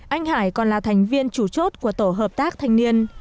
anh hải còn là thành viên chủ chốt của tổ hợp tác thanh niên